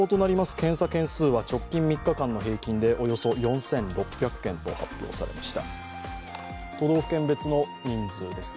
検査件数は、直近３日間の平均でおよそ４６００件と発表されました。